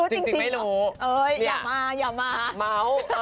เฮ้ยอย่ามาอย่ามา